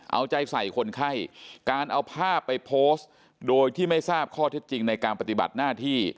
เอาใจใส่คนไข้การเอาภาพไปโพสต์โดยที่ไม่ทราบข้อเท็จจริงในการปฏิบัติหน้าที่